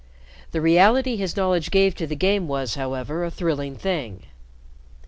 The reality his knowledge gave to the game was, however, a thrilling thing.